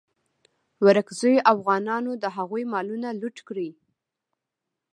ورکزیو اوغانانو د هغوی مالونه لوټ کړي.